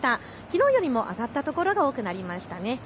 きのうよりも上がった所が多くなりましたね。